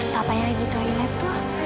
papa yang lagi di toilet tuh